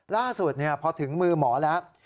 ล่าสุดพอถึงมือหมอแล้ว